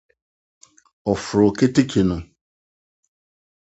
Ɔforoo keteke no.